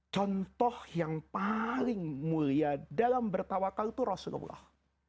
contoh yang paling mulia dalam bertawakal itu rasulullah